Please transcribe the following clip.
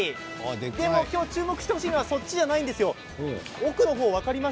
でも、今日注目してほしいのはこっちじゃないんです。